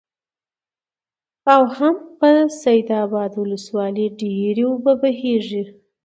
او هم په سيدآباد ولسوالۍ ډېرې اوبه بهيږي،